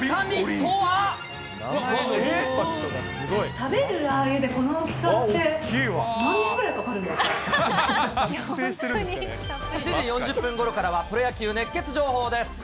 食べるラー油でこの大きさっ７時４０分ごろからはプロ野球熱ケツ情報です。